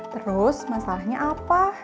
terus masalahnya apa